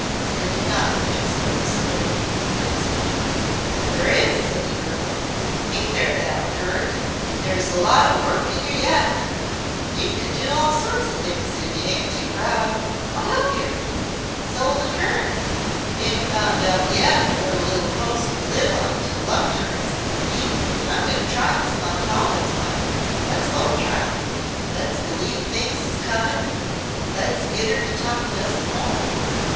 "I did not think so this morning," he answered. "But there is," said the girl. "Ain't there now, curick? There's a lot o' work in yer yet; yer could do all sorts o' things if y' ain't too proud. I'll 'elp yer. So 'll the curick. Y' ain't found out yet what a little folks can live on till luck turns. Me, I'm goin' to try Miss Montaubyn's wye. Le's both try. Le's believe things is comin'. Le's get 'er to talk to us some more."